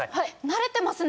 慣れてますね！